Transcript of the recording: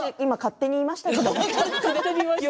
今、勝手に言いましたけど。